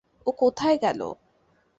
ও কোথায় গেল?